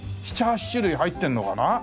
７８種類入ってるのかな？